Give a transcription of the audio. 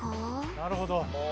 なるほど。